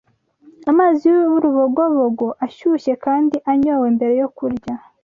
Amazi y’urubogobogo, ashyushye kandi anyowe mbere yo kurya